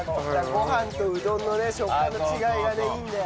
ご飯とうどんのね食感の違いがねいいんだよ。